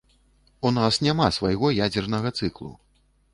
У нас няма свайго ядзернага цыклу.